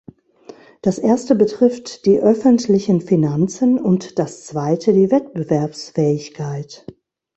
Das erste betrifft die öffentlichen Finanzen, und das zweite die Wettbewerbsfähigkeit.